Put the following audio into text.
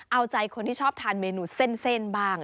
เอาใจคนที่ชอบทานเมนูเส้นบ้าง